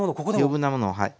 余分なものをはい。